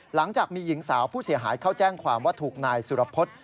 หลังจากมีหญิงสาวผู้เสียหายเข้าแจ้งความว่าถูกนายสุรพฤษ